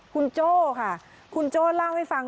คุณโจ้ค่ะคุณโจ้เล่าให้ฟัง